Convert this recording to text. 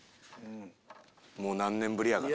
何年ぶりやから。